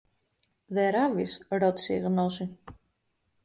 Δε ράβεις; ρώτησε η Γνώση.